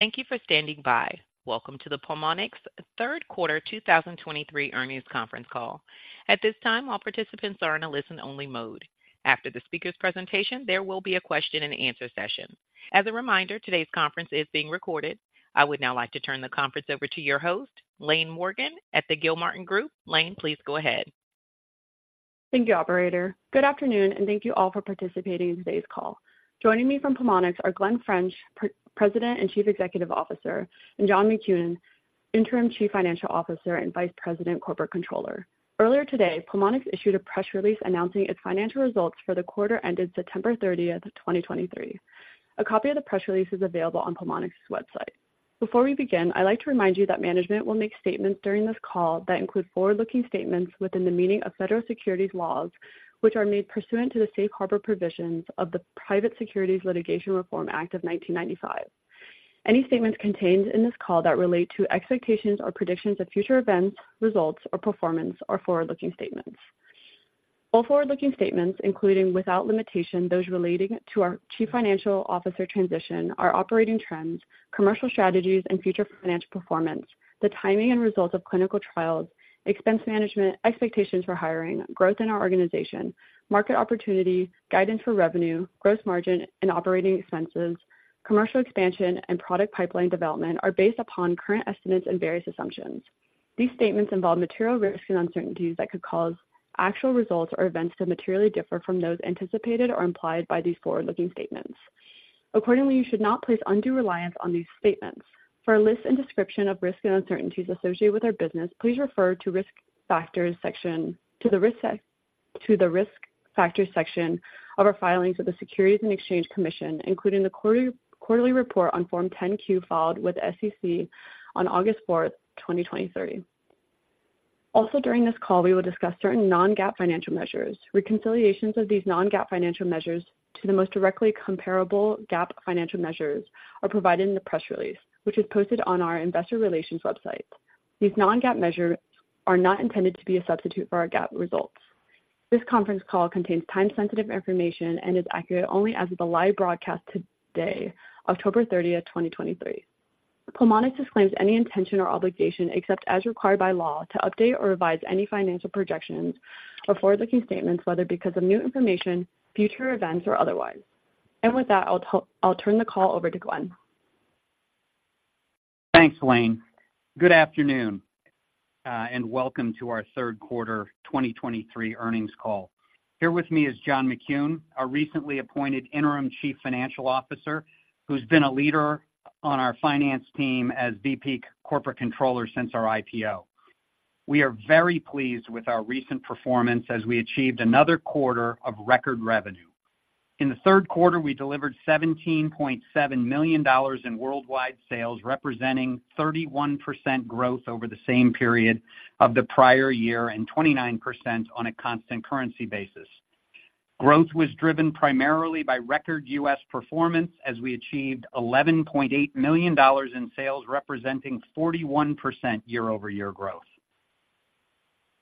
Thank you for standing by. Welcome to the Pulmonx Third Quarter 2023 earnings conference call. At this time, all participants are in a listen-only mode. After the speaker's presentation, there will be a question-and-answer session. As a reminder, today's conference is being recorded. I would now like to turn the conference over to your host, Laine Morgan, at the Gilmartin Group. Laine, please go ahead. Thank you, operator. Good afternoon and thank you all for participating in today's call. Joining me from Pulmonx are Glen French, President and Chief Executive Officer, and John McKune, Interim Chief Financial Officer and Vice President, Corporate Controller. Earlier today, Pulmonx issued a press release announcing its financial results for the quarter ended September 30th, 2023. A copy of the press release is available on Pulmonx's website. Before we begin, I'd like to remind you that management will make statements during this call that include forward-looking statements within the meaning of federal securities laws, which are made pursuant to the Safe Harbor provisions of the Private Securities Litigation Reform Act of 1995. Any statements contained in this call that relate to expectations or predictions of future events, results, or performance are forward-looking statements. All forward-looking statements, including without limitation, those relating to our Chief Financial Officer transition, our operating trends, commercial strategies and future financial performance, the timing and results of clinical trials, expense management, expectations for hiring, growth in our organization, market opportunity, guidance for revenue, gross margin and operating expenses, commercial expansion, and product pipeline development, are based upon current estimates and various assumptions. These statements involve material risks and uncertainties that could cause actual results or events to materially differ from those anticipated or implied by these forward-looking statements. Accordingly, you should not place undue reliance on these statements. For a list and description of risks and uncertainties associated with our business, please refer to the risk factors section of our filings with the Securities and Exchange Commission, including the quarterly report on Form 10-Q, filed with the SEC on August 4th, 2023. Also, during this call, we will discuss certain non-GAAP financial measures. Reconciliations of these non-GAAP financial measures to the most directly comparable GAAP financial measures are provided in the press release, which is posted on our investor relations website. These non-GAAP measures are not intended to be a substitute for our GAAP results. This conference call contains time-sensitive information and is accurate only as of the live broadcast today, October 30, 2023. Pulmonx disclaims any intention or obligation, except as required by law, to update or revise any financial projections or forward-looking statements, whether because of new information, future events, or otherwise. With that, I'll turn the call over to Glen. Thanks, Laine. Good afternoon, and welcome to our third quarter 2023 earnings call. Here with me is John McKune, our recently appointed interim chief financial officer, who's been a leader on our finance team as VP corporate controller since our IPO. We are very pleased with our recent performance as we achieved another quarter of record revenue. In the third quarter, we delivered $17.7 million in worldwide sales, representing 31% growth over the same period of the prior year and 29% on a constant currency basis. Growth was driven primarily by record U.S. performance, as we achieved $11.8 million in sales, representing 41% year-over-year growth.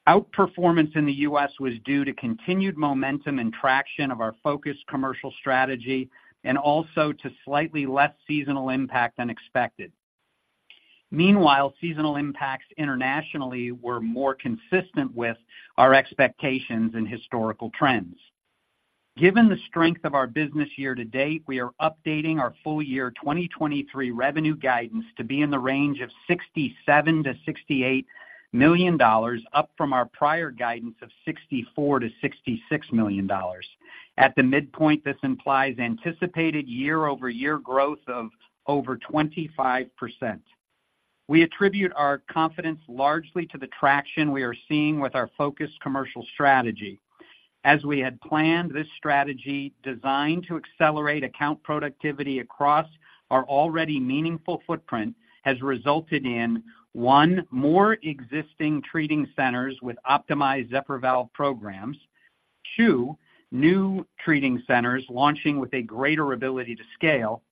Outperformance in the U.S. was due to continued momentum and traction of our focused commercial strategy and also to slightly less seasonal impact than expected. Meanwhile, seasonal impacts internationally were more consistent with our expectations and historical trends. Given the strength of our business year to date, we are updating our full year 2023 revenue guidance to be in the range of $67 million-$68 million, up from our prior guidance of $64 million-$66 million. At the midpoint, this implies anticipated year-over-year growth of over 25%. We attribute our confidence largely to the traction we are seeing with our focused commercial strategy. As we had planned, this strategy, designed to accelerate account productivity across our already meaningful footprint, has resulted in, one, more existing treating centers with optimized Zephyr Valve programs. Two, new treating centers launching with a greater ability to scale.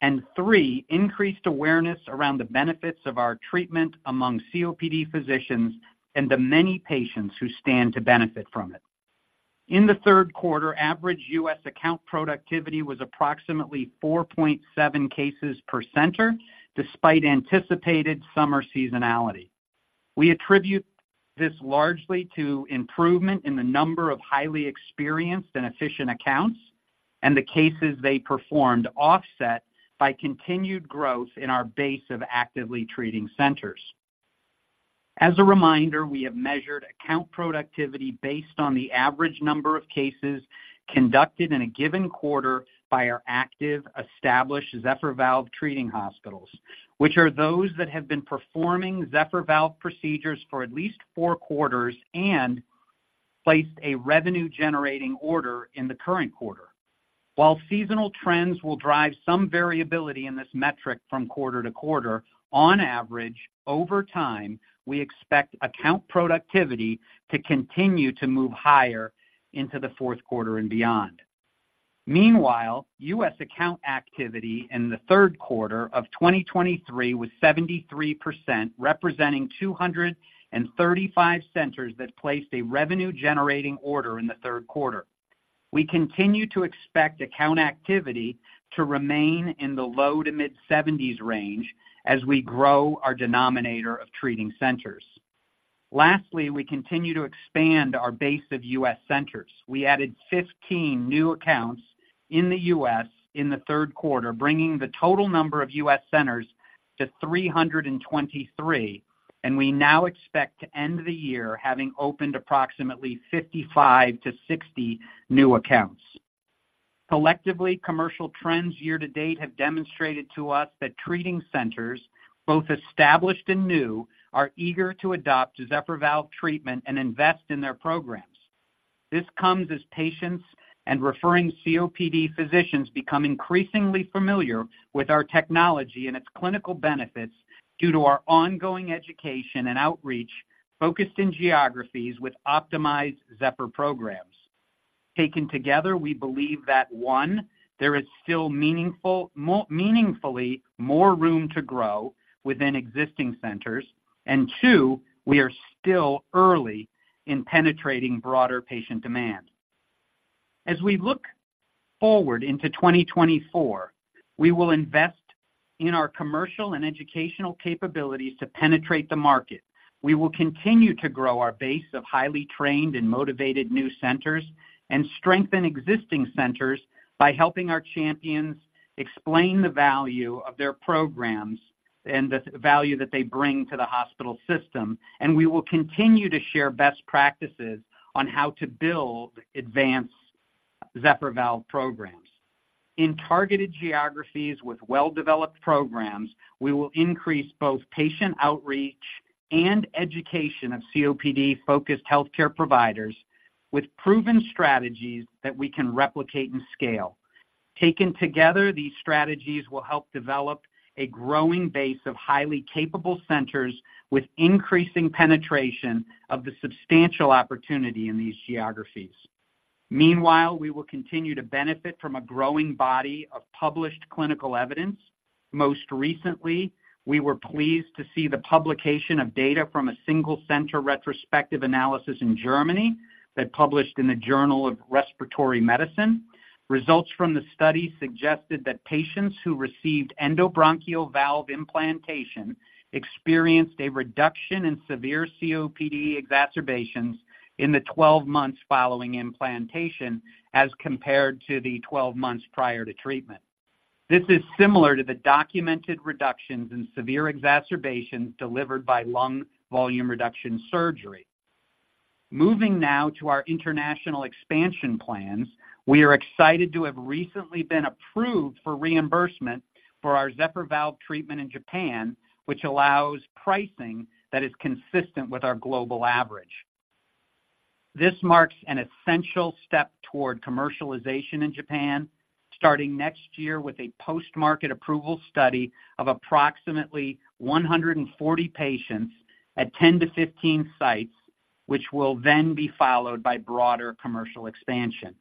And three, increased awareness around the benefits of our treatment among COPD physicians and the many patients who stand to benefit from it. In the third quarter, average U.S. account productivity was approximately 4.7 cases per center, despite anticipated summer seasonality. We attribute this largely to improvement in the number of highly experienced and efficient accounts and the cases they performed, offset by continued growth in our base of actively treating centers. As a reminder, we have measured account productivity based on the average number of cases conducted in a given quarter by our active, established Zephyr Valve treating hospitals, which are those that have been performing Zephyr Valve procedures for at least quarters and placed a revenue-generating order in the current quarter. While seasonal trends will drive some variability in this metric from quarter to quarter, on average, over time, we expect account productivity to continue to move higher into the fourth quarter and beyond. Meanwhile, U.S. account activity in the third quarter of 2023 was 73%, representing 235 centers that placed a revenue-generating order in the third quarter. We continue to expect account activity to remain in the low-to-mid 70s range as we grow our denominator of treating centers. Lastly, we continue to expand our base of U.S. centers. We added 15 new accounts in the U.S. in the third quarter, bringing the total number of U.S. centers to 323, and we now expect to end the year having opened approximately 55-60 new accounts. Collectively, commercial trends year to date have demonstrated to us that treating centers, both established and new, are eager to adopt Zephyr Valve treatment and invest in their programs. This comes as patients and referring COPD physicians become increasingly familiar with our technology and its clinical benefits due to our ongoing education and outreach, focused in geographies with optimized Zephyr programs. Taken together, we believe that, 1, there is still meaningfully more room to grow within existing centers, and two, we are still early in penetrating broader patient demand. As we look forward into 2024, we will invest in our commercial and educational capabilities to penetrate the market. We will continue to grow our base of highly trained and motivated new centers and strengthen existing centers by helping our champions explain the value of their programs and the value that they bring to the hospital system. We will continue to share best practices on how to build advanced Zephyr Valve programs. In targeted geographies with well-developed programs, we will increase both patient outreach and education of COPD-focused healthcare providers with proven strategies that we can replicate and scale. Taken together, these strategies will help develop a growing base of highly capable centers with increasing penetration of the substantial opportunity in these geographies. Meanwhile, we will continue to benefit from a growing body of published clinical evidence. Most recently, we were pleased to see the publication of data from a single-center retrospective analysis in Germany that published in the Journal of Respiratory Medicine. Results from the study suggested that patients who received endobronchial valve implantation experienced a reduction in severe COPD exacerbations in the 12 months following implantation, as compared to the 12 months prior to treatment. This is similar to the documented reductions in severe exacerbations delivered by lung volume reduction surgery. Moving now to our international expansion plans. We are excited to have recently been approved for reimbursement for our Zephyr Valve treatment in Japan, which allows pricing that is consistent with our global average. This marks an essential step toward commercialization in Japan, starting next year with a post-market approval study of approximately 140 patients at 10-15 sites, which will then be followed by broader commercial expansion.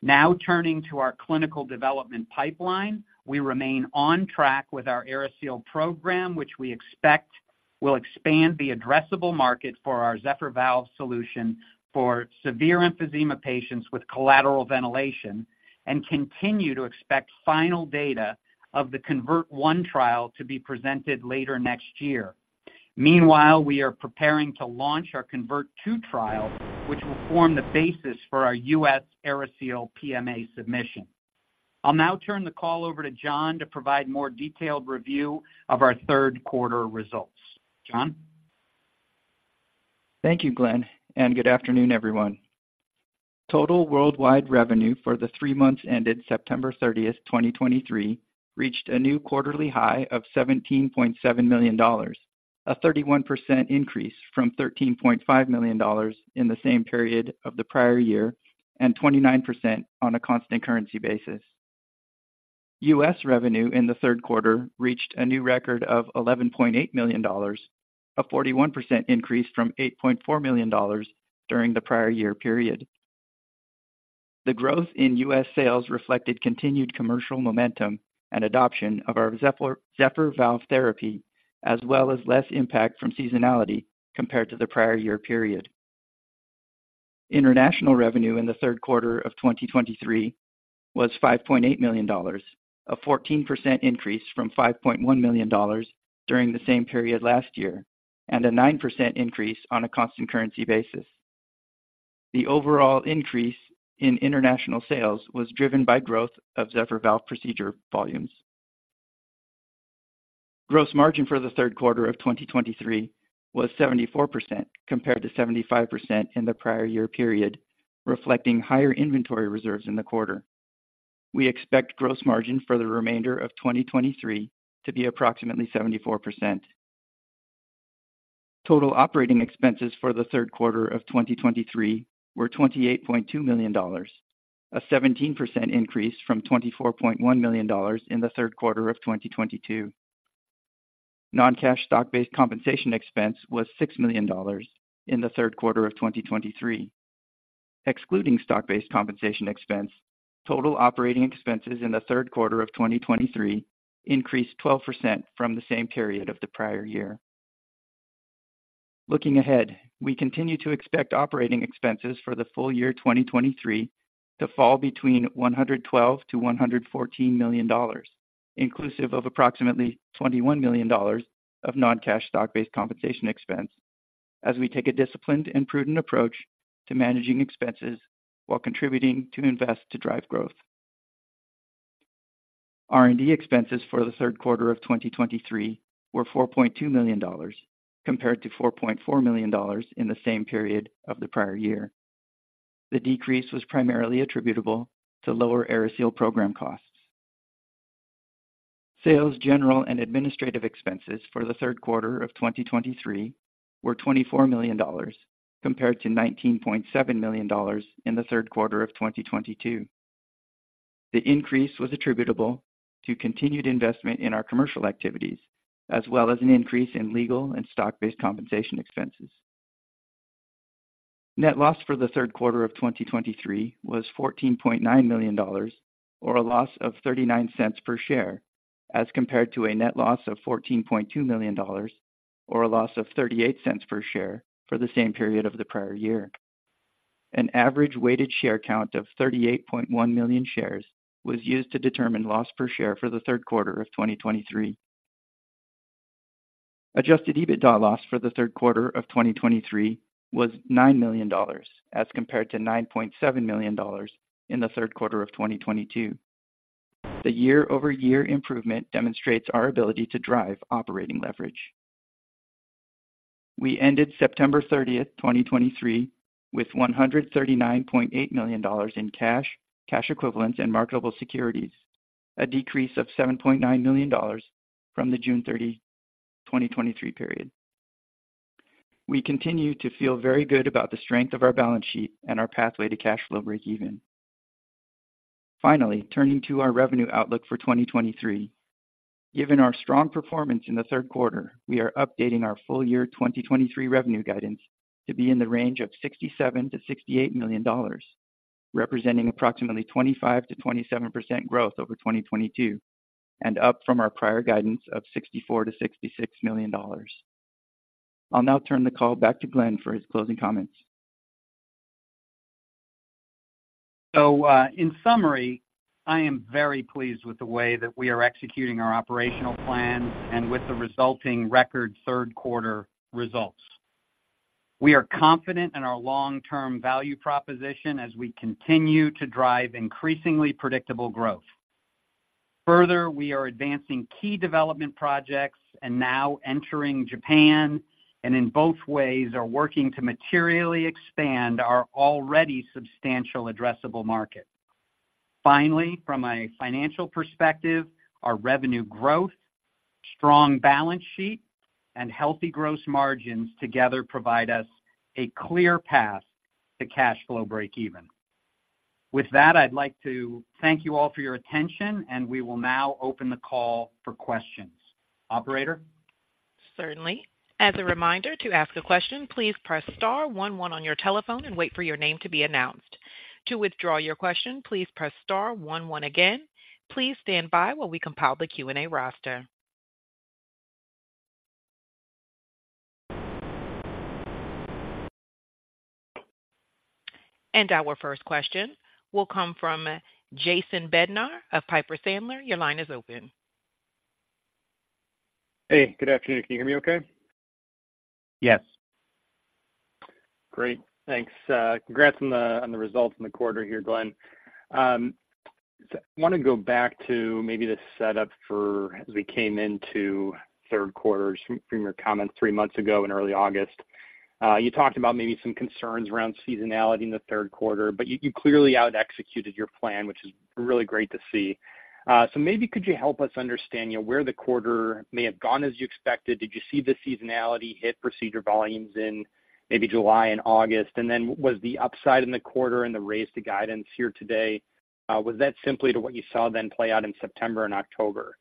Now, turning to our clinical development pipeline. We remain on track with our AeriSeal program, which we expect will expand the addressable market for our Zephyr Valve solution for severe emphysema patients with collateral ventilation and continue to expect final data of the CONVERT I trial to be presented later next year. Meanwhile, we are preparing to launch our CONVERT II trial, which will form the basis for our U.S. AeriSeal PMA submission. I'll now turn the call over to John to provide more detailed review of our third quarter results. John? Thank you, Glen, and good afternoon, everyone. Total worldwide revenue for the three months ended September 30, 2023, reached a new quarterly high of $17.7 million, a 31% increase from $13.5 million in the same period of the prior year, and 29% on a constant currency basis. U.S. revenue in the third quarter reached a new record of $11.8 million, a 41% increase from $8.4 million during the prior year period. The growth in U.S. sales reflected continued commercial momentum and adoption of our Zephyr, Zephyr Valve therapy, as well as less impact from seasonality compared to the prior year period. International revenue in the third quarter of 2023 was $5.8 million, a 14% increase from $5.1 million during the same period last year, and a 9% increase on a constant currency basis. The overall increase in international sales was driven by growth of Zephyr Valve procedure volumes. Gross margin for the third quarter of 2023 was 74%, compared to 75% in the prior year period, reflecting higher inventory reserves in the quarter. We expect gross margin for the remainder of 2023 to be approximately 74%. Total operating expenses for the third quarter of 2023 were $28.2 million, a 17% increase from $24.1 million in the third quarter of 2022. Non-cash stock-based compensation expense was $6 million in the third quarter of 2023. Excluding stock-based compensation expense, total operating expenses in the third quarter of 2023 increased 12% from the same period of the prior year. Looking ahead, we continue to expect operating expenses for the full year 2023 to fall between $112 million-$114 million, inclusive of approximately $21 million of non-cash stock-based compensation expense, as we take a disciplined and prudent approach to managing expenses while contributing to invest to drive growth. R&D expenses for the third quarter of 2023 were $4.2 million, compared to $4.4 million in the same period of the prior year. The decrease was primarily attributable to lower AeriSeal program costs. Sales, general, and administrative expenses for the third quarter of 2023 were $24 million, compared to $19.7 million in the third quarter of 2022. The increase was attributable to continued investment in our commercial activities, as well as an increase in legal and stock-based compensation expenses. Net loss for the third quarter of 2023 was $14.9 million, or a loss of $0.39 per share, as compared to a net loss of $14.2 million or a loss of $0.38 per share for the same period of the prior year. An average weighted share count of 38.1 million shares was used to determine loss per share for the third quarter of 2023. Adjusted EBITDA loss for the third quarter of 2023 was $9 million, as compared to $9.7 million in the third quarter of 2022. The year-over-year improvement demonstrates our ability to drive operating leverage. We ended September 30, 2023, with $139.8 million in cash, cash equivalents, and marketable securities, a decrease of $7.9 million from the June 30, 2023, period. We continue to feel very good about the strength of our balance sheet and our pathway to cash flow breakeven. Finally, turning to our revenue outlook for 2023. Given our strong performance in the third quarter, we are updating our full year 2023 revenue guidance to be in the range of $67 million-$68 million, representing approximately 25%-27% growth over 2022 and up from our prior guidance of $64 million-$66 million. I'll now turn the call back to Glen for his closing comments. So, in summary, I am very pleased with the way that we are executing our operational plan and with the resulting record third quarter results. We are confident in our long-term value proposition as we continue to drive increasingly predictable growth. Further, we are advancing key development projects and now entering Japan, and in both ways are working to materially expand our already substantial addressable market. Finally, from a financial perspective, our revenue growth, strong balance sheet, and healthy gross margins together provide us a clear path to cash flow breakeven. With that, I'd like to thank you all for your attention, and we will now open the call for questions. Operator? Certainly. As a reminder, to ask a question, please press star one, one on your telephone and wait for your name to be announced. To withdraw your question, please press star one, one again. Please stand by while we compile the Q&A roster. Our first question will come from Jason Bednar of Piper Sandler. Your line is open. Hey, good afternoon. Can you hear me okay? Yes. Great. Thanks. Congrats on the results in the quarter here, Glen. I wanna go back to maybe the setup for as we came into third quarter from your comments three months ago in early August. You talked about maybe some concerns around seasonality in the third quarter, but you clearly out executed your plan, which is really great to see. So maybe could you help us understand, you know, where the quarter may have gone as you expected? Did you see the seasonality hit procedure volumes in maybe July and August? And then was the upside in the quarter and the raise to guidance here today, was that simply to what you saw then play out in September and October?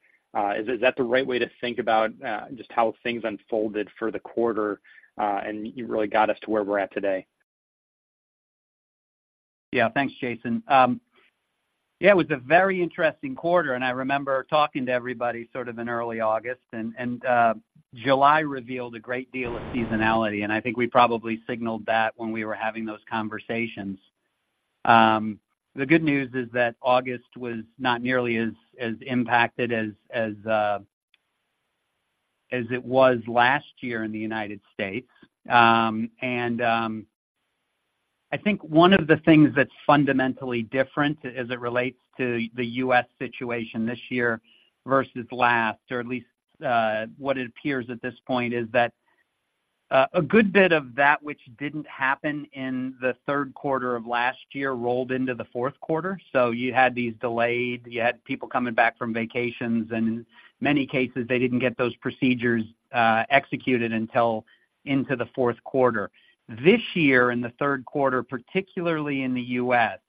Is that the right way to think about just how things unfolded for the quarter, and you really got us to where we're at today? Yeah, thanks, Jason. Yeah, it was a very interesting quarter, and I remember talking to everybody sort of in early August and July revealed a great deal of seasonality, and I think we probably signaled that when we were having those conversations. The good news is that August was not nearly as impacted as it was last year in the United States. And I think one of the things that's fundamentally different as it relates to the U.S. situation this year versus last, or at least what it appears at this point, is that a good bit of that which didn't happen in the third quarter of last year rolled into the fourth quarter. So you had these delayed. You had people coming back from vacations, and in many cases, they didn't get those procedures executed until into the fourth quarter. This year, in the third quarter, particularly in the U.S.,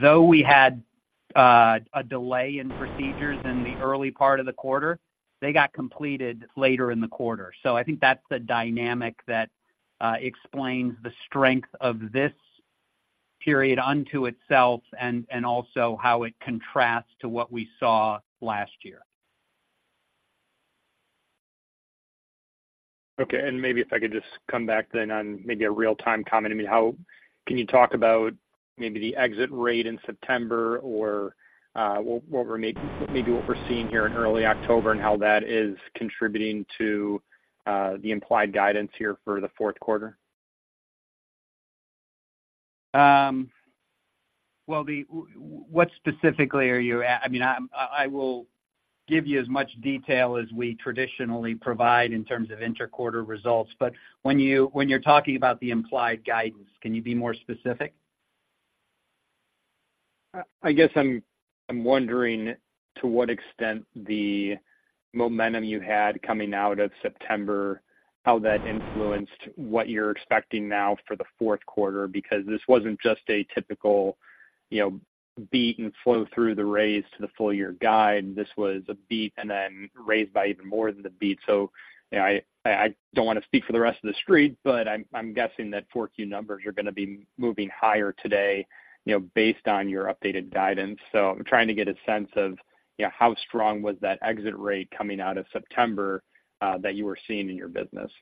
though we had a delay in procedures in the early part of the quarter, they got completed later in the quarter. So I think that's the dynamic that explains the strength of this period onto itself and also how it contrasts to what we saw last year. Okay. And maybe if I could just come back then on maybe a real-time comment. I mean, how can you talk about maybe the exit rate in September or what we're seeing here in early October, and how that is contributing to the implied guidance here for the fourth quarter? Well, what specifically are you at? I mean, I will give you as much detail as we traditionally provide in terms of inter-quarter results. But when you're talking about the implied guidance, can you be more specific? I guess I'm, I'm wondering, to what extent the momentum you had coming out of September, how that influenced what you're expecting now for the fourth quarter? Because this wasn't just a typical, you know, beat and flow through the raise to the full year guide. This was a beat and then raised by even more than the beat. So, you know, I, I don't wanna speak for the rest of the street, but I'm, I'm guessing that 4Q numbers are gonna be moving higher today, you know, based on your updated guidance. So I'm trying to get a sense of, you know, how strong was that exit rate coming out of September, that you were seeing in your business.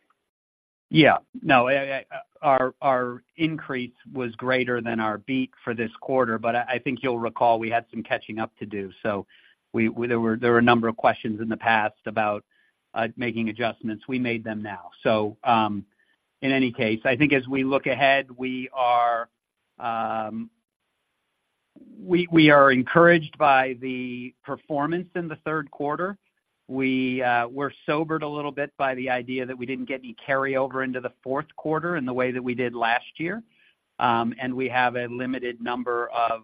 Yeah. No, I... Our increase was greater than our beat for this quarter, but I think you'll recall we had some catching up to do. So there were a number of questions in the past about making adjustments. We made them now. So, in any case, I think as we look ahead, we are encouraged by the performance in the third quarter. We're sobered a little bit by the idea that we didn't get any carryover into the fourth quarter in the way that we did last year. And we have a limited number of,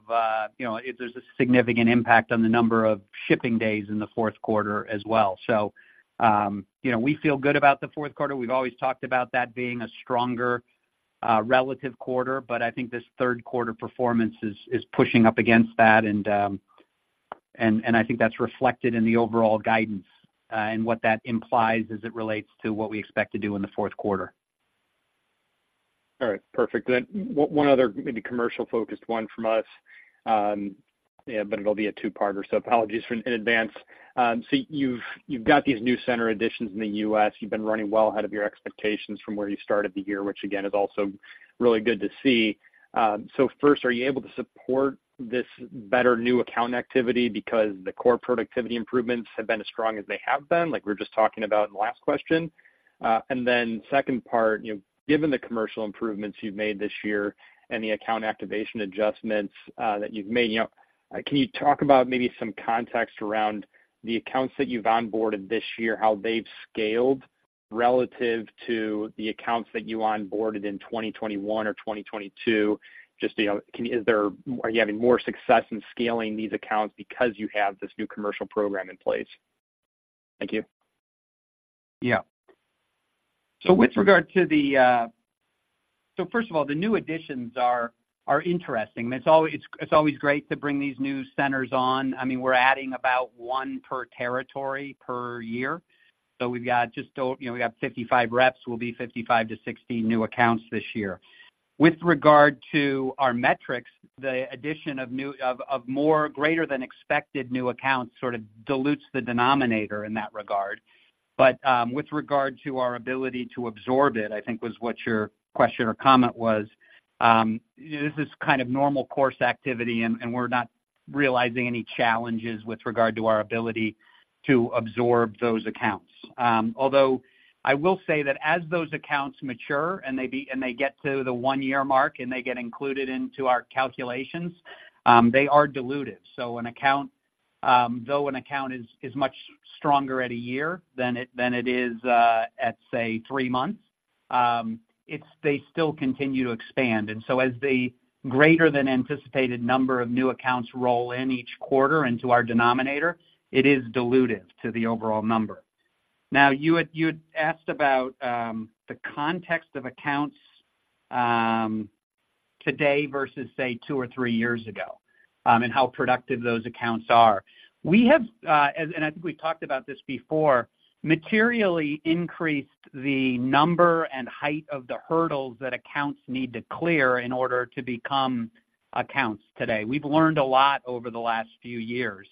you know, there's a significant impact on the number of shipping days in the fourth quarter as well. So, you know, we feel good about the fourth quarter. We've always talked about that being a stronger relative quarter, but I think this third quarter performance is pushing up against that. And I think that's reflected in the overall guidance, and what that implies as it relates to what we expect to do in the fourth quarter. All right. Perfect. Then one other maybe commercial-focused one from us. Yeah, but it'll be a two-parter, so apologies in advance. So you've got these new center additions in the U.S. You've been running well ahead of your expectations from where you started the year, which again is also really good to see. So first, are you able to support this better new account activity because the core productivity improvements have been as strong as they have been, like we were just talking about in the last question? And then second part, you know, given the commercial improvements you've made this year and the account activation adjustments that you've made, you know, can you talk about maybe some context around the accounts that you've onboarded this year, how they've scaled relative to the accounts that you onboarded in 2021 or 2022? Just, you know, are you having more success in scaling these accounts because you have this new commercial program in place? Thank you. Yeah. So with regard to the, So first of all, the new additions are interesting. It's always great to bring these new centers on. I mean, we're adding about one per territory per year. So we've got just over, you know, we got 55 reps, we'll be 55-60 new accounts this year. With regard to our metrics, the addition of more greater than expected new accounts sort of dilutes the denominator in that regard. But, with regard to our ability to absorb it, I think was what your question or comment was, this is kind of normal course activity, and we're not realizing any challenges with regard to our ability to absorb those accounts. Although I will say that as those accounts mature and they get to the one-year mark, and they get included into our calculations, they are diluted. So an account, though an account is much stronger at a year than it is at, say, three months, they still continue to expand. And so as the greater than anticipated number of new accounts roll in each quarter into our denominator, it is dilutive to the overall number. Now, you had asked about the context of accounts today versus, say, two or three years ago, and how productive those accounts are. We have and I think we've talked about this before, materially increased the number and height of the hurdles that accounts need to clear in order to become accounts today. We've learned a lot over the last few years,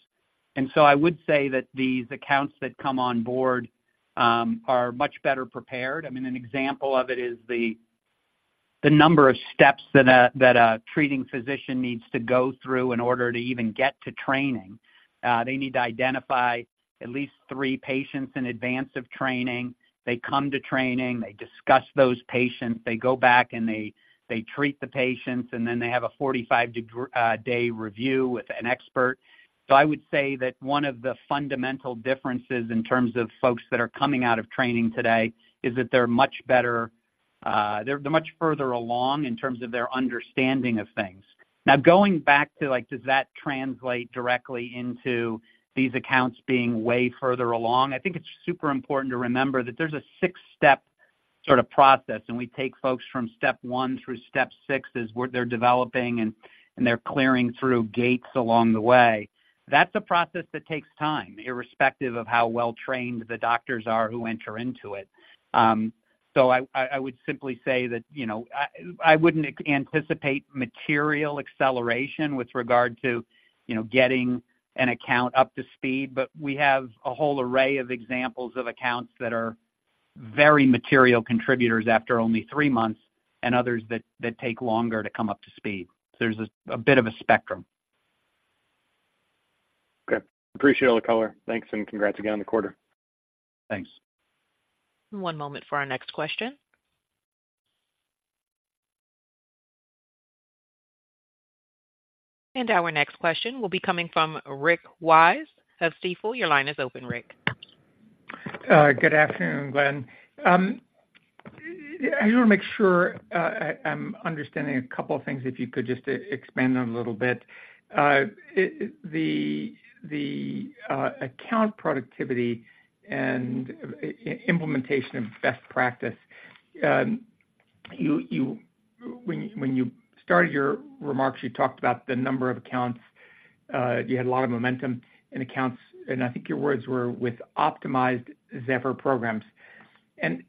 and so I would say that these accounts that come on board are much better prepared. I mean, an example of it is the number of steps that a treating physician needs to go through in order to even get to training. They need to identify at least three patients in advance of training. They come to training, they discuss those patients, they go back and they treat the patients, and then they have a 45-day review with an expert. So I would say that one of the fundamental differences in terms of folks that are coming out of training today is that they're much better, they're much further along in terms of their understanding of things. Now, going back to, like, does that translate directly into these accounts being way further along? I think it's super important to remember that there's a six-step sort of process, and we take folks from step one through step six as they're developing and they're clearing through gates along the way. That's a process that takes time, irrespective of how well-trained the doctors are who enter into it. So I would simply say that, you know, I wouldn't anticipate material acceleration with regard to, you know, getting an account up to speed. But we have a whole array of examples of accounts that are very material contributors after only three months and others that take longer to come up to speed. So there's a bit of a spectrum. Okay, appreciate all the color. Thanks, and congrats again on the quarter. Thanks. One moment for our next question. Our next question will be coming from Rick Wise of Stifel. Your line is open, Rick. Good afternoon, Glen. I want to make sure I'm understanding a couple of things, if you could just expand on them a little bit. The account productivity and implementation of best practice, when you started your remarks, you talked about the number of accounts, you had a lot of momentum in accounts, and I think your words were with optimized Zephyr programs. And,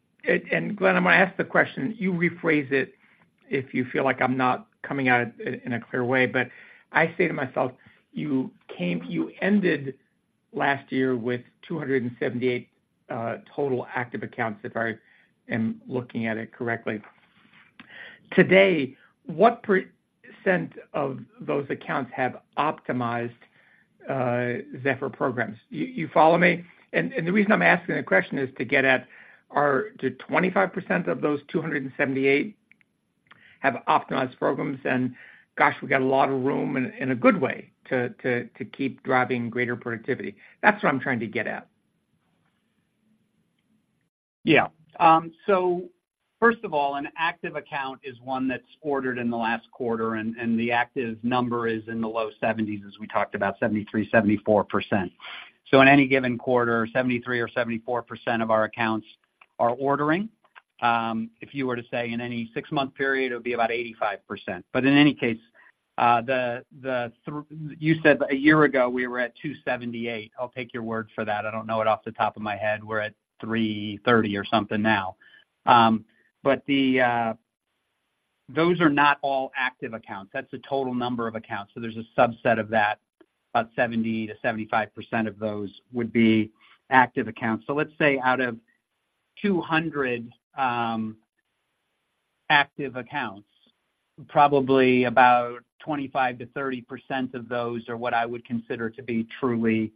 Glen, I'm gonna ask the question, you rephrase it if you feel like I'm not coming at it in a clear way, but I say to myself: You ended last year with 278 total active accounts, if I am looking at it correctly. Today, what % of those accounts have optimized Zephyr programs? You follow me? The reason I'm asking the question is to get at, are the 25% of those 278 have optimized programs, and gosh, we've got a lot of room in a good way to keep driving greater productivity. That's what I'm trying to get at. Yeah. So first of all, an active account is one that's ordered in the last quarter, and the active number is in the low 70s, as we talked about 73%, 74%. So in any given quarter, 73% or 74% of our accounts are ordering. If you were to say in any six-month period, it would be about 85%. But in any case, you said a year ago, we were at 278. I'll take your word for that. I don't know it off the top of my head. We're at 330 or something now. But those are not all active accounts. That's the total number of accounts. So there's a subset of that, about 70%-75% of those would be active accounts. So let's say out of 200 active accounts, probably about 25%-30% of those are what I would consider to be truly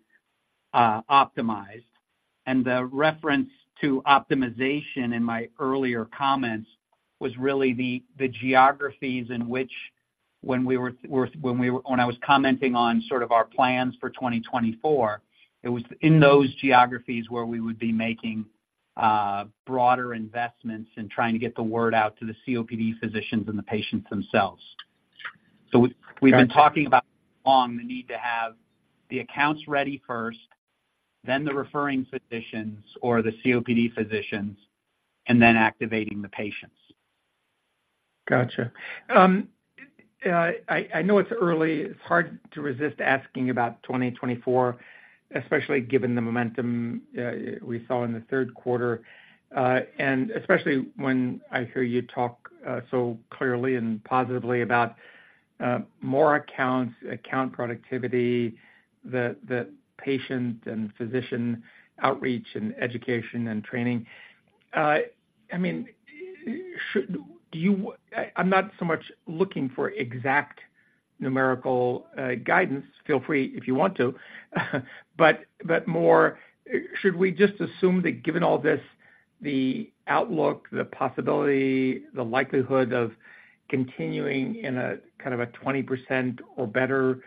optimized. And the reference to optimization in my earlier comments was really the geographies in which when I was commenting on sort of our plans for 2024, it was in those geographies where we would be making broader investments and trying to get the word out to the COPD physicians and the patients themselves. So we. Got you. We've been talking about along the need to have the accounts ready first, then the referring physicians or the COPD physicians, and then activating the patients. Got you. I know it's early, it's hard to resist asking about 2024, especially given the momentum we saw in the third quarter, and especially when I hear you talk so clearly and positively about more accounts, account productivity, the patient and physician outreach and education and training. I mean, I'm not so much looking for exact numerical guidance. Feel free if you want to, but more, should we just assume that given all this, the outlook, the possibility, the likelihood of continuing in a kind of a 20% or better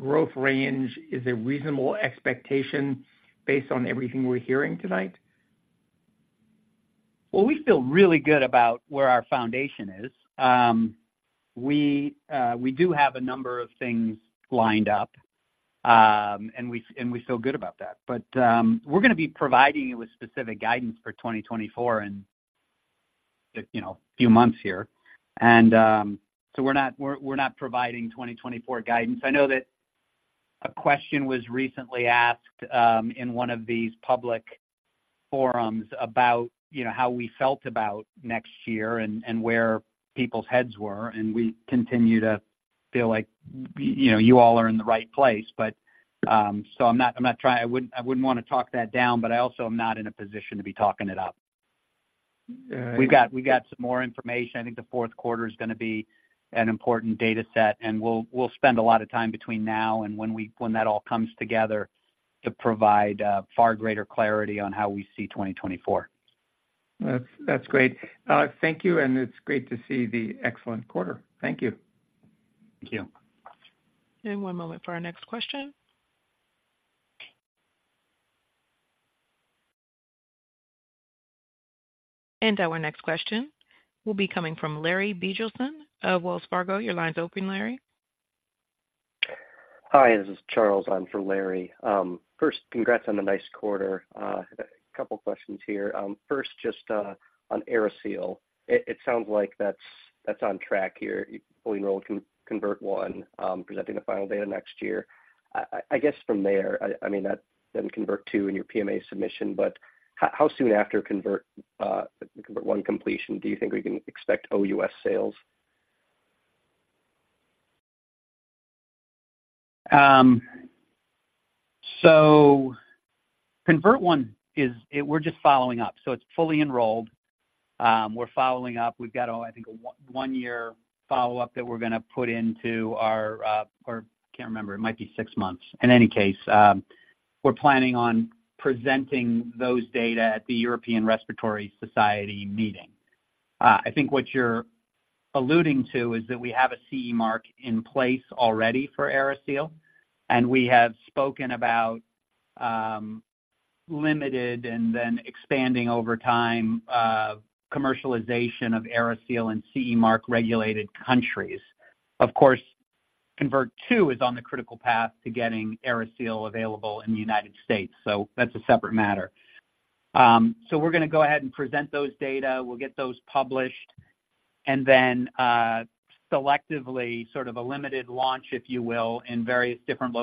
growth range is a reasonable expectation based on everything we're hearing tonight? Well, we feel really good about where our foundation is. We do have a number of things lined up, and we feel good about that. But, we're gonna be providing you with specific guidance for 2024 in, you know, a few months here. So we're not providing 2024 guidance. I know that a question was recently asked in one of these public forums about, you know, how we felt about next year and where people's heads were, and we continue to feel like, you know, you all are in the right place. But, so I'm not trying—I wouldn't want to talk that down, but I also am not in a position to be talking it up. All right. We've got some more information. I think the fourth quarter is gonna be an important data set, and we'll spend a lot of time between now and when that all comes together to provide far greater clarity on how we see 2024. That's, that's great. Thank you, and it's great to see the excellent quarter. Thank you. Thank you. One moment for our next question. Our next question will be coming from. Your line is open, Larry. Hi, this is Charles. I'm for Larry. First, congrats on the nice quarter. A couple questions here. First, just on AeriSeal, it sounds like that's on track here. You fully enrolled CONVERT I, presenting the final data next year. I guess from there, I mean, that then CONVERT II and your PMA submission, but how soon after CONVERT I completion do you think we can expect OUS sales? So CONVERT I is- we're just following up. So it's fully enrolled, we're following up. We've got a, I think, a one-year follow-up that we're gonna put into our... Or I can't remember, it might be six months. In any case, we're planning on presenting those data at the European Respiratory Society meeting. I think what you're alluding to is that we have a CE Mark in place already for AeriSeal, and we have spoken about, limited and then expanding over time, commercialization of AeriSeal in CE Mark regulated countries. Of course, CONVERT II is on the critical path to getting AeriSeal available in the United States, so that's a separate matter. So we're gonna go ahead and present those data, we'll get those published, and then, selectively sort of a limited launch, if you will, in various different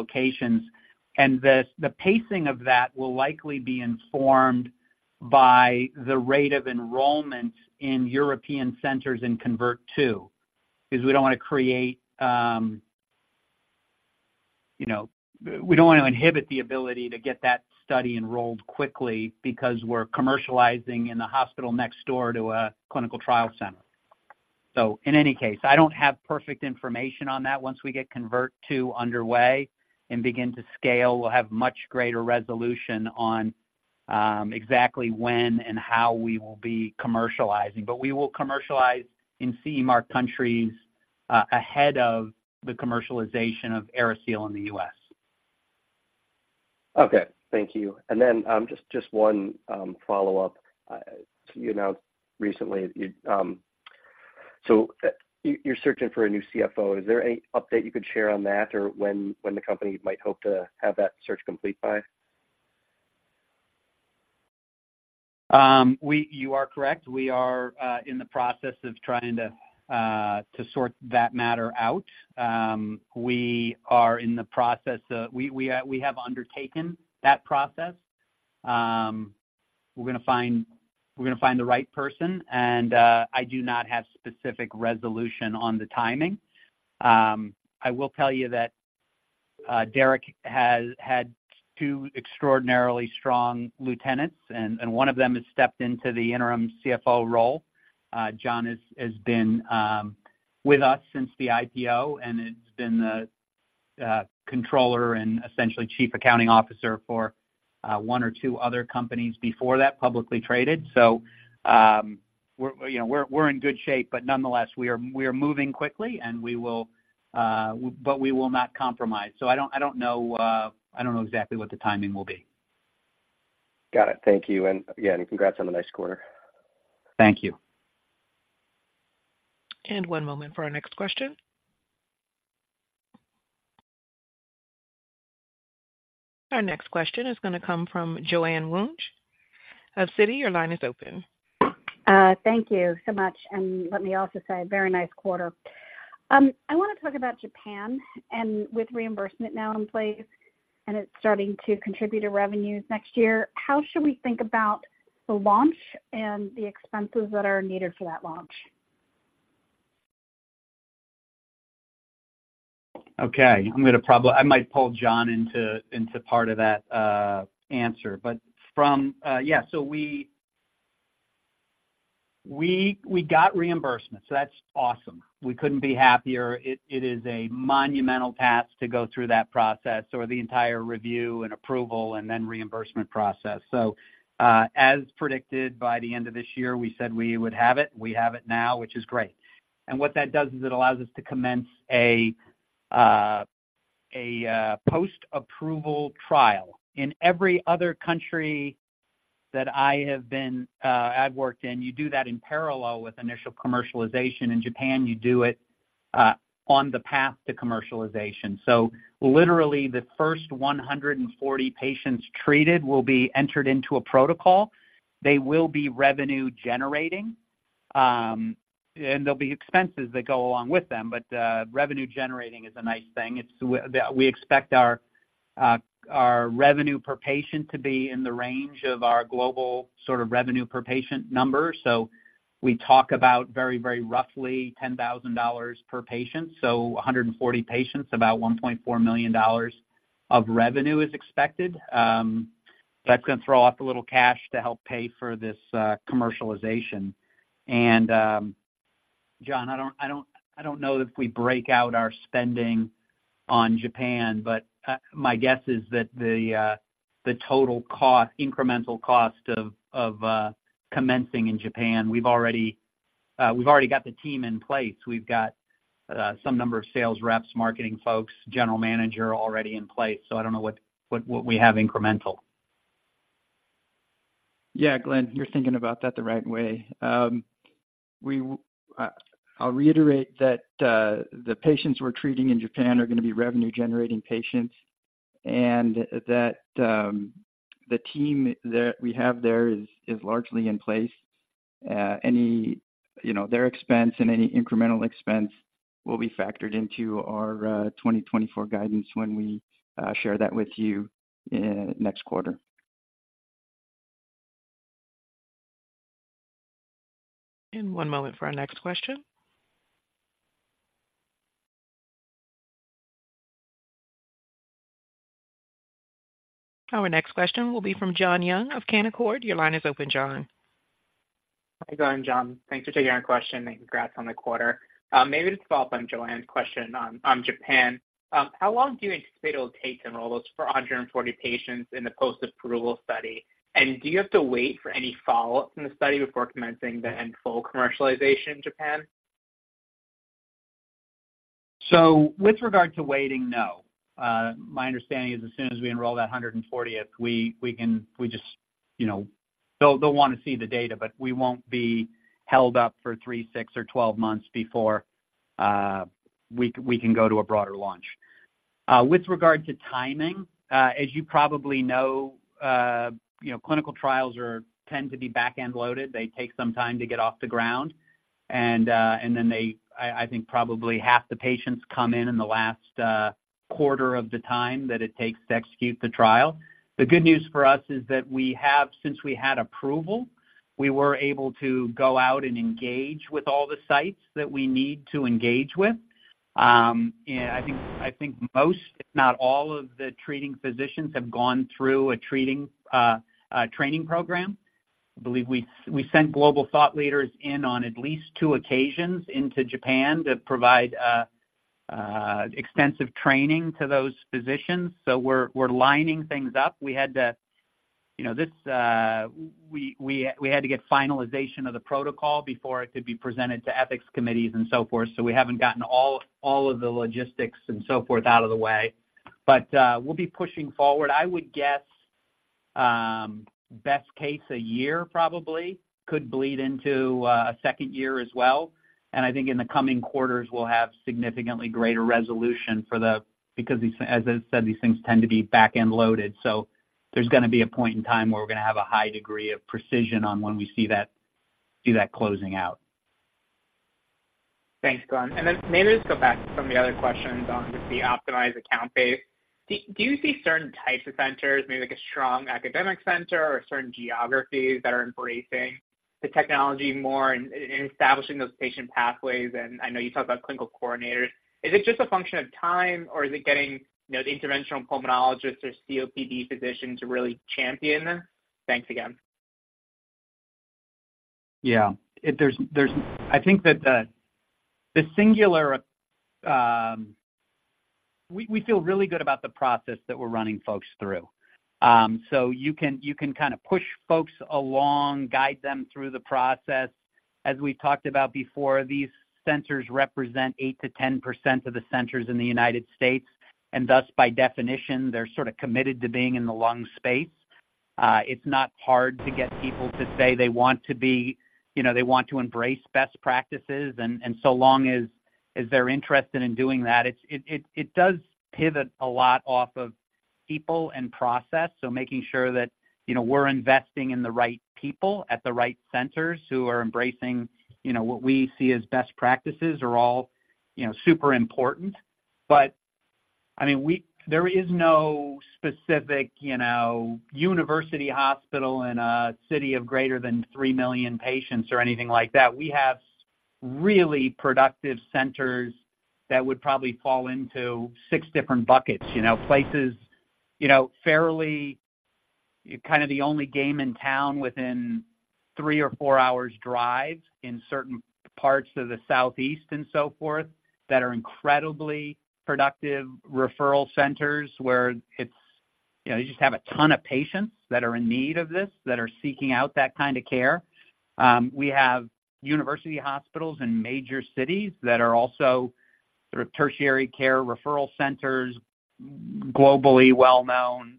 locations. This, the pacing of that will likely be informed by the rate of enrollment in European centers in CONVERT II, because we don't wanna create, you know, we don't wanna inhibit the ability to get that study enrolled quickly because we're commercializing in the hospital next door to a clinical trial center. So in any case, I don't have perfect information on that. Once we get CONVERT II underway and begin to scale, we'll have much greater resolution on exactly when and how we will be commercializing. But we will commercialize in CE Mark countries ahead of the commercialization of AeriSeal in the U.S. Okay. Thank you. And then, just one follow-up. You announced recently, so you're searching for a new CFO. Is there any update you could share on that, or when the company might hope to have that search complete by? You are correct, we are in the process of trying to sort that matter out. We have undertaken that process. We're gonna find the right person, and I do not have specific resolution on the timing. I will tell you that Derrick has had two extraordinarily strong lieutenants, and one of them has stepped into the interim CFO role. John has been with us since the IPO and has been the controller and essentially chief accounting officer for one or two other companies before that, publicly traded. So, you know, we're in good shape, but nonetheless, we are moving quickly, and we will not compromise. I don't know exactly what the timing will be. Got it. Thank you. And, again, congrats on a nice quarter. Thank you. One moment for our next question. Our next question is gonna come from Joanne Wuensch of Citi. Your line is open. Thank you so much, and let me also say a very nice quarter. I wanna talk about Japan, and with reimbursement now in place, and it's starting to contribute to revenues next year, how should we think about the launch and the expenses that are needed for that launch? Okay. I might pull John into part of that answer. But from... Yeah, so we got reimbursement, so that's awesome. We couldn't be happier. It is a monumental task to go through that process or the entire review and approval and then reimbursement process. So, as predicted, by the end of this year, we said we would have it, we have it now, which is great. And what that does is it allows us to commence a post-approval trial. In every other country that I have been, I've worked in, you do that in parallel with initial commercialization. In Japan, you do it on the path to commercialization. So literally, the first 140 patients treated will be entered into a protocol. They will be revenue generating, and there'll be expenses that go along with them, but revenue generating is a nice thing. We expect our revenue per patient to be in the range of our global sort of revenue per patient number. So we talk about very, very roughly $10,000 per patient, so 140 patients, about $1.4 million of revenue is expected. That's gonna throw off a little cash to help pay for this commercialization. John, I don't know if we break out our spending on Japan, but my guess is that the total cost, incremental cost of commencing in Japan. We've already got the team in place. We've got some number of sales reps, marketing folks, general manager already in place, so I don't know what we have incremental.... Yeah, Glen, you're thinking about that the right way. I'll reiterate that the patients we're treating in Japan are gonna be revenue-generating patients, and that the team that we have there is largely in place. Any, you know, their expense and any incremental expense will be factored into our 2024 guidance when we share that with you in next quarter. One moment for our next question. Our next question will be from John Young of Canaccord. Your line is open, John. Hi, Glen, John. Thanks for taking our question, and congrats on the quarter. Maybe to follow up on Joanne's question on Japan. How long do you anticipate it'll take to enroll those 440 patients in the post-approval study? And do you have to wait for any follow-ups in the study before commencing the full commercialization in Japan? So with regard to waiting, no. My understanding is as soon as we enroll that 140th, we can, we just, you know, they'll wanna see the data, but we won't be held up for three, six, or 12 months before we can go to a broader launch. With regard to timing, as you probably know, you know, clinical trials tend to be back-end loaded. They take some time to get off the ground, and then they... I think probably half the patients come in in the last quarter of the time that it takes to execute the trial. The good news for us is that we have, since we had approval, we were able to go out and engage with all the sites that we need to engage with. And I think most, if not all, of the treating physicians have gone through a training program. I believe we sent global thought leaders in on at least two occasions into Japan to provide extensive training to those physicians. So we're lining things up. We had to, you know, get finalization of the protocol before it could be presented to ethics committees and so forth. So we haven't gotten all of the logistics and so forth out of the way, but we'll be pushing forward. I would guess, best case, a year probably, could bleed into a second year as well. And I think in the coming quarters, we'll have significantly greater resolution for the—because these, as I said, these things tend to be back-end loaded. There's gonna be a point in time where we're gonna have a high degree of precision on when we see that, see that closing out. Thanks, Glen. And then maybe just go back to some of the other questions on the OPTIMIZE account base. Do you see certain types of centers, maybe like a strong academic center or certain geographies that are embracing the technology more in establishing those patient pathways? And I know you talked about clinical coordinators. Is it just a function of time, or is it getting, you know, the interventional pulmonologists or COPD physicians to really champion them? Thanks again. Yeah, there's... I think that the singular, we feel really good about the process that we're running folks through. So you can kind of push folks along, guide them through the process. As we've talked about before, these centers represent 8%-10% of the centers in the United States, and thus, by definition, they're sort of committed to being in the lung space. It's not hard to get people to say they want to be, you know, they want to embrace best practices, and so long as they're interested in doing that, it does pivot a lot off of people and process. So making sure that, you know, we're investing in the right people at the right centers who are embracing, you know, what we see as best practices are all, you know, super important. But I mean, there is no specific, you know, university hospital in a city of greater than three million patients or anything like that. We have really productive centers that would probably fall into six different buckets. You know, places, you know, fairly kind of the only game in town within three or four hours drive in certain parts of the Southeast and so forth, that are incredibly productive referral centers, where it's, you know, you just have a ton of patients that are in need of this, that are seeking out that kind of care. We have university hospitals in major cities that are also sort of tertiary care referral centers, globally well-known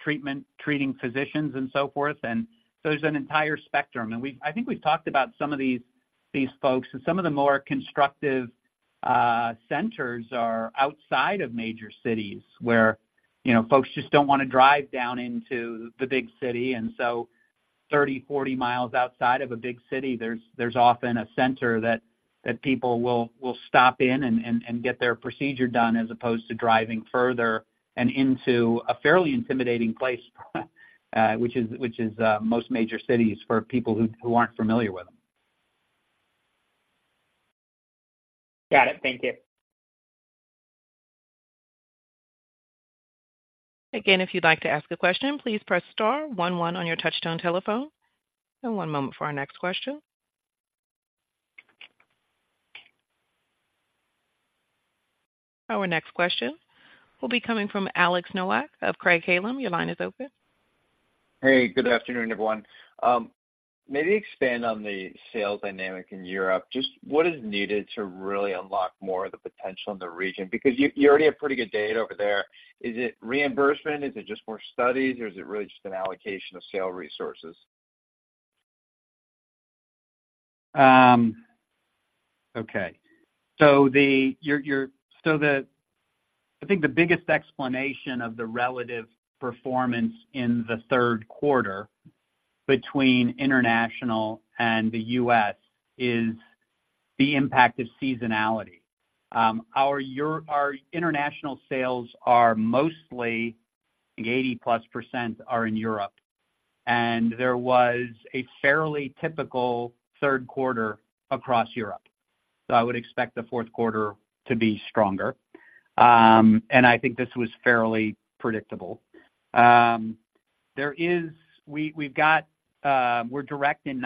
treatment, treating physicians and so forth. And so there's an entire spectrum, and we've... I think we've talked about some of these, these folks, and some of the more constructive centers are outside of major cities where, you know, folks just don't wanna drive down into the big city. And so 30, 40 miles outside of a big city, there's often a center that people will stop in and get their procedure done, as opposed to driving further and into a fairly intimidating place, which is most major cities for people who aren't familiar with them. Got it. Thank you. Again, if you'd like to ask a question, please press star one one on your touchtone telephone. One moment for our next question. Our next question will be coming from Alex Nowak of Craig-Hallum. Your line is open. Hey, good afternoon, everyone. Maybe expand on the sales dynamic in Europe. Just what is needed to really unlock more of the potential in the region? Because you, you already have pretty good data over there. Is it reimbursement? Is it just more studies, or is it really just an allocation of sales resources? Okay. So, I think the biggest explanation of the relative performance in the third quarter between international and the U.S., is the impact of seasonality. Our international sales are mostly, I think 80%+ are in Europe, and there was a fairly typical third quarter across Europe. So I would expect the fourth quarter to be stronger. And I think this was fairly predictable. We're direct in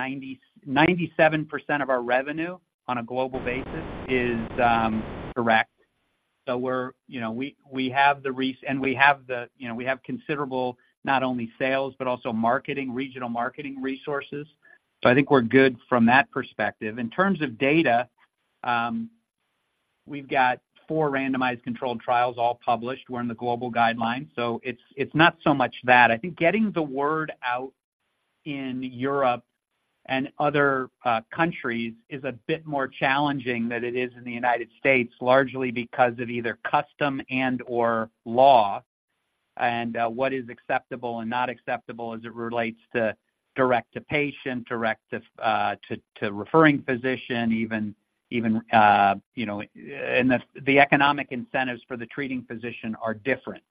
97% of our revenue on a global basis. So we're, you know, we have considerable, not only sales, but also marketing, regional marketing resources. So I think we're good from that perspective. In terms of data, we've got four randomized controlled trials all published. We're in the global guidelines, so it's not so much that. I think getting the word out in Europe and other countries is a bit more challenging than it is in the United States, largely because of either custom and/or law and what is acceptable and not acceptable as it relates to direct-to-patient, direct to referring physician, even you know, and the economic incentives for the treating physician are different.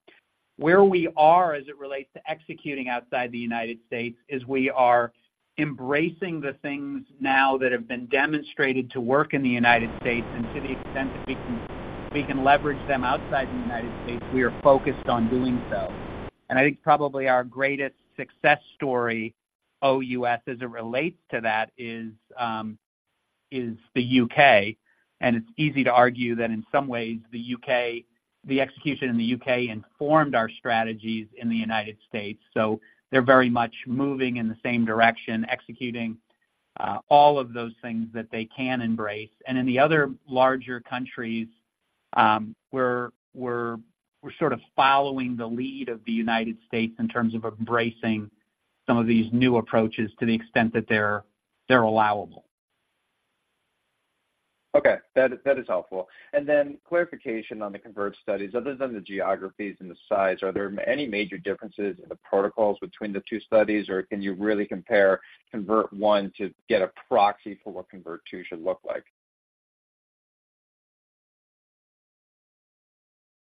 Where we are as it relates to executing outside the United States is we are embracing the things now that have been demonstrated to work in the United States, and to the extent that we can, we can leverage them outside the United States; we are focused on doing so. I think probably our greatest success story, OUS, as it relates to that, is the U.K., and it's easy to argue that in some ways, the U.K., the execution in the U.K., informed our strategies in the United States. So they're very much moving in the same direction, executing all of those things that they can embrace. And in the other larger countries, we're sort of following the lead of the United States in terms of embracing some of these new approaches to the extent that they're allowable. Okay, that is helpful. And then clarification on the CONVERT studies. Other than the geographies and the size, are there any major differences in the protocols between the two studies, or can you really compare CONVERT one to get a proxy for what CONVERT two should look like?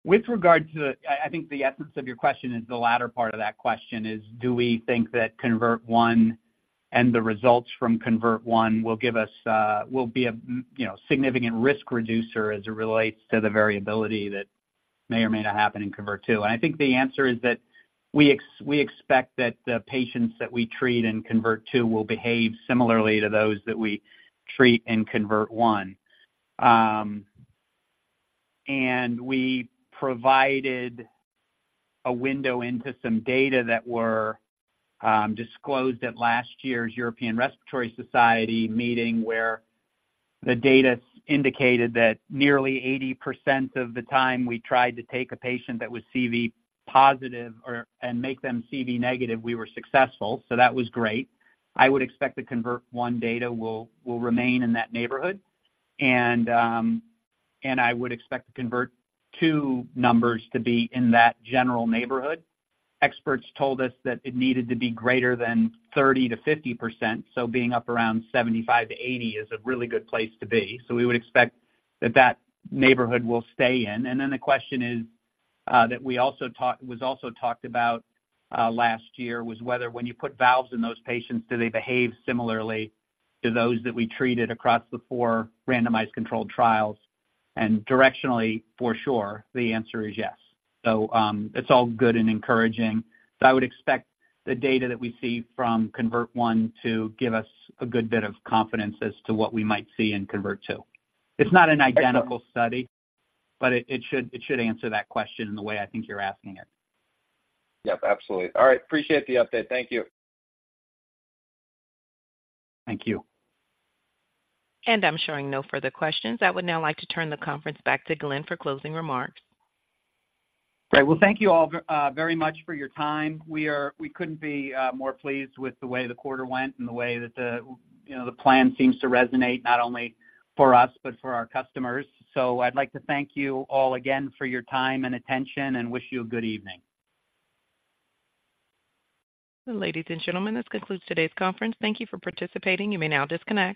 With regard to the, I think the essence of your question is the latter part of that question is, do we think that CONVERT one and the results from CONVERT one will give us, will be a, you know, significant risk reducer as it relates to the variability that may or may not happen in CONVERT two? And I think the answer is that we expect that the patients that we treat in CONVERT two will behave similarly to those that we treat in CONVERT one. And we provided a window into some data that were disclosed at last year's European Respiratory Society meeting, where the data indicated that nearly 80% of the time we tried to take a patient that was CV positive or, and make them CV negative, we were successful, so that was great. I would expect the CONVERT one data will remain in that neighborhood, and I would expect the CONVERT two numbers to be in that general neighborhood. Experts told us that it needed to be greater than 30%-50%, so being up around 75%-80% is a really good place to be. So we would expect that that neighborhood will stay in. And then the question is, that we also talked, was also talked about last year, was whether when you put valves in those patients, do they behave similarly to those that we treated across the four randomized controlled trials? And directionally, for sure, the answer is yes. It's all good and encouraging, but I would expect the data that we see from CONVERT one to give us a good bit of confidence as to what we might see in CONVERT two. It's not an identical study, but it should answer that question in the way I think you're asking it. Yep, absolutely. All right. Appreciate the update. Thank you. Thank you. I'm showing no further questions. I would now like to turn the conference back to Glen for closing remarks. Great. Well, thank you all very much for your time. We couldn't be more pleased with the way the quarter went and the way that the, you know, the plan seems to resonate, not only for us, but for our customers. So I'd like to thank you all again for your time and attention and wish you a good evening. Ladies and gentlemen, this concludes today's conference. Thank you for participating. You may now disconnect.